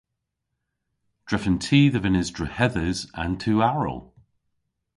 Drefen ty dhe vynnes drehedhes an tu aral.